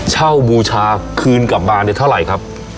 เช่าบูชาคืนกลับมาเนี่ยเท่าไหร่ครับ